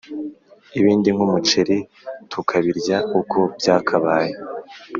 ibindi nk’umuceri tukabirya uko byakabaye.